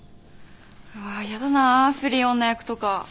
うわやだな不倫女役とか